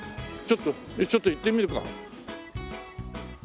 ちょっとちょっと行ってみるか。